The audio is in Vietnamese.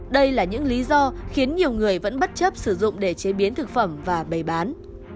đây là những lý do khiến nhiều người vẫn bất chấp sử dụng để chế biến thực phẩm và bày bán